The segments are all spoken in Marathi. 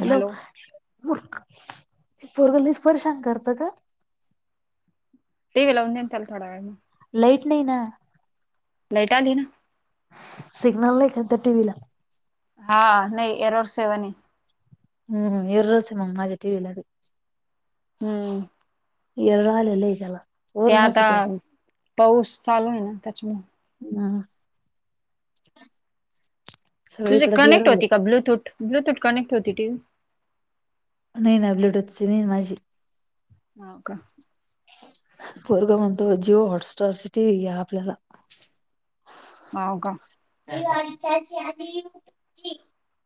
हॅलो पोर पोरग लईच परेशान करत का,? ते लावून द्या ना थोड्या वेळानं. लाईट नाही ना! लाईट आली ना! सिग्नल नाही का त्या टीव्ही ला? हा नाही एरोर सेवन हे! हम्म एर्रोर सेवन माझ्या टीव्ही बी. हम्म! एर्रोर आलंय लई त्याला! ते वरूनच आता येते पाऊस चालू आहे ना त्याच्यामुळे! हां! तुझे कनेक्ट होती का ब्लूटूथ ब्लूटूथ कनेक्ट होती टीव्ही? नाही ना ब्लूटूथची नाही माझी [unintelligible] पोरगं म्हणतो जिओ हॉटस्टार टीव्ही घे आपल्याला. हाव का!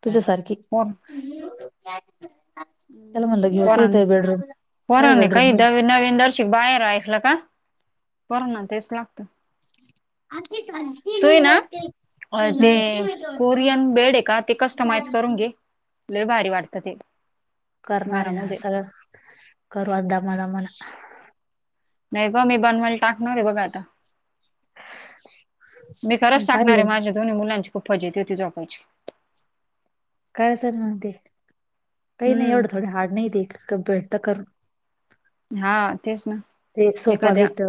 तुझ्यासारखी! कोण? [unintelligible] म्हणलं घेऊ ते पोरानं येतय बेडरूम तय पोरांनी काय बेडरूम मध्ये नवीन नवीनच बाहेर ऐकलं का पोरांना तेच लागत! [unintelligible] तु आहे वरती. ना ते टीव्ही कोरियन बेड आहे का ते कस्टमाइज करून घे लई भारी वाटतं ते! करणार आहे ना घरामध्ये सगळं करू आ दमानं म्हणं! न्हाय बा मी बनवल. टाकणारय बघा आता. मी खरंच टाकणारय पाहिलं माझ्या दोन्ही मुलांची खूप फजिती होती झोपायची. काय आसन म्हणती? काय नाई एवढं हम्म थोडं हार्ड नाही ते. कंप्लीट तर करून हा, तेच ना. एक सोफा एखाद्या with,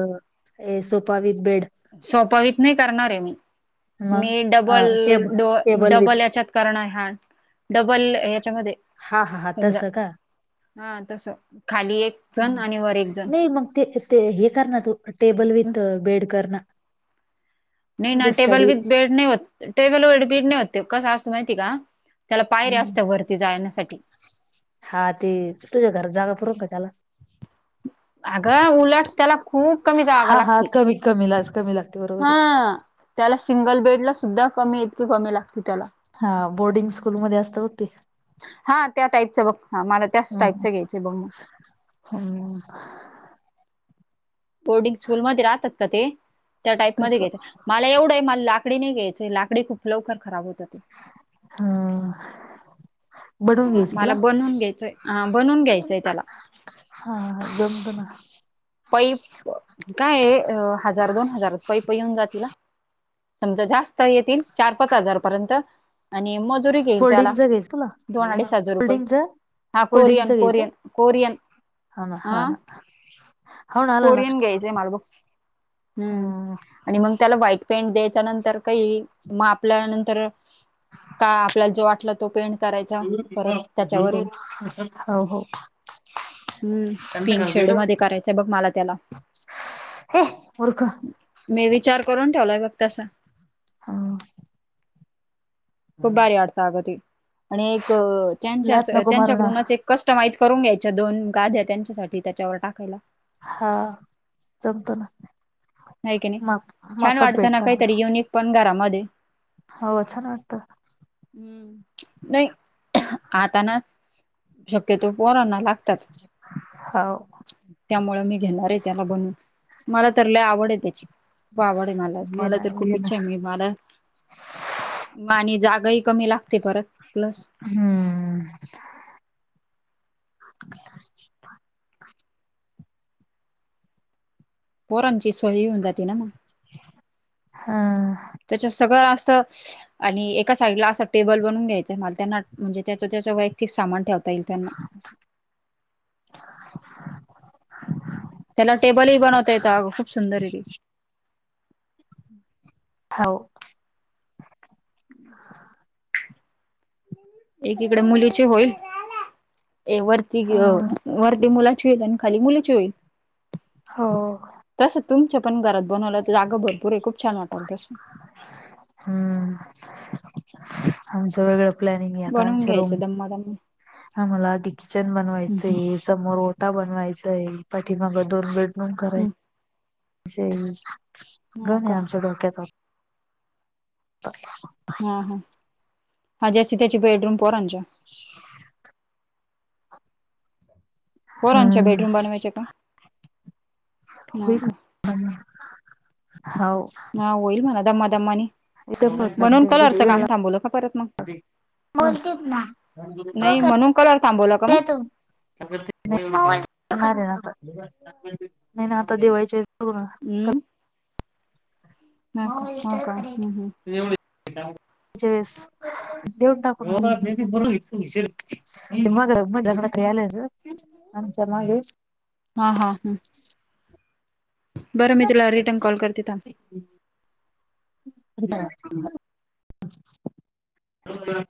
a sofa with bed. सोपावीत नाई करणारे मी. मग मी double tab डोअ, table double with याच्यात करणाय हा डबल ह्याच्यामध्ये. हा हा हा समजा, तसं का हा तसं. खाली एक ह. जण आणि वर एक जण. नाही, मग ते, ते हे कर ना तू, टेबल विथ बेड कर ना. नाई ना, म्हणजे टेबल स्टडी विथ बेड नाई होत. टेबल व बेड नाई होत ते. कसं असतं माहिती का त्याला पायऱ्या असत्या वरती जायण्यासाठी. हा ते, तुझ्या घरात जागा पुरन का त्याला? अगं उलट त्याला खूप कमी जागा हा, हा. लागती. कमी- कमी लाज, कमी लागते बरोबरय. हा त्याला सिंगल बेडला सुद्धा कमी, इतकी कमी लागते त्याला. हा. बोर्डिंग स्कूलमध्ये असत बघ ते. हा त्या टाईपचं बघ. ह, मला त्याच टाईपचं घ्यायचय बघ म. हम्. बोर्डिंग स्कूलमध्ये राहतात का ते, त्या टाईपमध्ये तसं घ्याय मला एवढंय. मला लाकडी नाही घ्यायचय. लाकडी खूप लवकर खराब होत. ह. बनवून घ्यायच मला तू. बनवून घ्यायचंय हा बनवून घ्यायचंय त्याला हा, जमतं ना. पैप. काय हजार दोन हजारात पैप येऊन जातीला. समजा जास्त येतील. चार- पाच हजारपर्यंत. आणि मजुरी घेईल त्याला. फोल्डिंगच घ्यायचं तुला दोन- अडीच हजार रुपय. फोल्डिंगच हा. फोल्डिंगच कोरीयन, घ्यायचं कोरीयन. कोरीयन. हा, ना. हा. ना. हो ना आलं कोरियन लक्षात घ्यायचंय माल बघ. हम्म. आणि मग त्याला व्हाईट पेंट द्यायचा. नंतर काही, मग आपल्या नंतर का, आपल्याला जो वाटला तो पेंट करायचा परत हा, त्याच्यावरून हो. हम्. तीन शेड मध्ये करायचा बघ. मला त्याला. हे मूर्ख मी विचार करून ठेवलाय बघ तसं. हा. खूप बारी वाटतं आगं ते. आणि एक, त्यांच्या लात असं, नको मारू ना त्यांच्याकडूनच एक कस्टमाइज करून घ्यायच्या दोन, गादया त्यांच्यासाठी त्याच्यावर टाकायला. हा, जमतं ना ते. नाही की नाही. छान वाटत ना, भेटताना काहीतरी युनिक पण घरामध्ये. हो, छान वाटतं. हम्म. नाही, आता ना शक्यतो पोरांना लागताच. हाव. त्यामुळं मी घेणारय त्याला बनवून. मला तर लय आवड आहे खूप आवडय. मला घे मला ना तर घे खूप ना इच्छाय. मला. मा आणि जागाही कमी लागते परत, प्लस. हम्म. [unintelligible] पोरांची सोय होऊन जाते ना मग, हा. त्याच्यात सगळं असं आणि एका साइडला असं टेबल बनून घ्यायचंय मला त्यांना म्हणजे त्याच त्याच वैयक्तिक सामान ठेव ता येईल त्यांना, [unintelligible] त्याला टेबलही बनवता येत अग खूप सुंदर आहे ते, हाव. हम्म. एकीकडे मुलीचे होईल ए वरती घ्यो वरती मुलाची होईल आणि खाली मुलीची होईल. हो. तसं तुमच्या पण घरात बनवलं तर जागा भरपूर आहे खूप छान वाटल तसं. हम्म, आमचं वेगळं प्लॅनिंग हे आता बनवून आमच्या रूम [unintelligible] आम्हाला आधी किचन बनवायचं हे समोर ओटा बनवायचा हे पाठीमाग दोन बेड रूम हम्म करायचे हो गण आहे का आमच्या डोक्यात [unintelligible] हा हा हा ज्याची त्याची बेडरूम पोरांच्या. ह पोरांच्या बेडरूम बनवायच्या का? हो का [unintelligible] हाव. हा होईल मणा दमा दम्मानी, इथ परत मग [unintelligible] बोलतीचना नाही म्हणून कलर थांबवला का मग [unintelligible] [unintelligible] नाही ना आता दिवाळीच्या वेळेस करू ना. हमं हो का हम्म [unintelligible] हम्म एवढी, ळेस देऊन टाकु हम्म हम्म [unintelligible] [unintelligible] आमच्या मागेच. हा हा हम्म. बरं मी तुला रिटर्न कॉल करते थांब. [unintelligible]